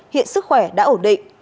hiện sức khỏe đã ổn định